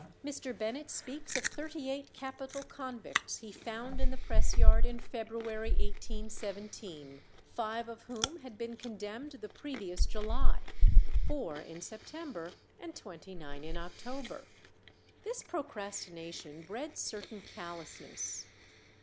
Mr. Bennet speaks of thirty eight capital convicts he found in the press yard in February 1817, five of whom had been condemned the previous July, four in September, and twenty nine in October. This procrastination bred certain callousness.